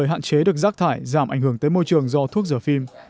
hạn chế được rác thải giảm ảnh hưởng tới môi trường do thuốc rửa phim